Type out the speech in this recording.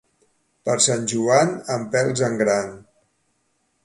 Per Sant Joan, empelts en gran.